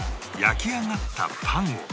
焼き上がったパンを